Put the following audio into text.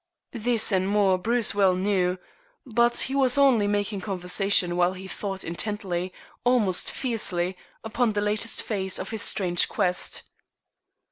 This, and more, Bruce well knew, but he was only making conversation, while he thought intently, almost fiercely, upon the latest phase of his strange quest.